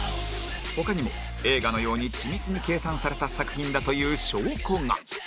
他にも映画のように緻密に計算された作品だという証拠が